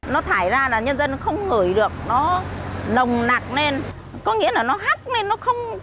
nó thải ra là nhân dân không ngửi được nó nồng nặng lên có nghĩa là nó hắt lên nó không